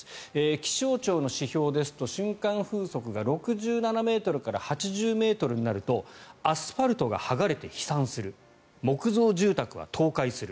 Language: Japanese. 気象庁の指標ですと、瞬間風速が６７ｍから８０ｍになるとアスファルトが剥がれて飛散する木造住宅が倒壊する